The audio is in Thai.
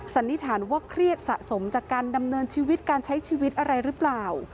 สันนิษฐานว่าเครียดสะสมจากการดำเนินชีวิตการใช้ชีวิตอะไรหรือเปล่า